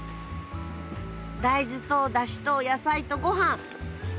大豆とだしと野菜と御飯。